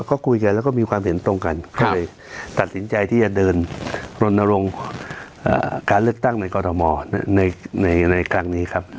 ก็กูกัดและกูมีความเห็นตรงกันกันไปจะจินใจที่จะเดินลงการเลือกตั้งในกรมในการนี้ครับ